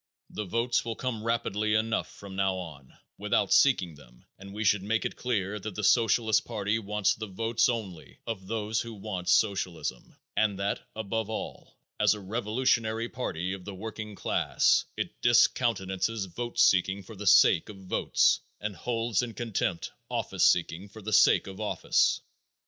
The votes will come rapidly enough from now on without seeking them and we should make it clear that the Socialist party wants the votes only of those who want socialism, and that, above all, as a revolutionary party of the working class, it discountenances vote seeking for the sake of votes and holds in contempt office seeking for the sake of office.